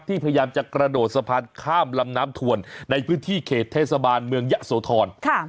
พยายามจะกระโดดสะพานข้ามลำน้ำถวนในพื้นที่เขตเทศบาลเมืองยะโสธร